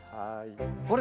あれ？